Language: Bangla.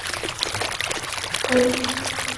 তার বড় ভাই ঢাকা বিশ্ববিদ্যালয়ে পড়ে।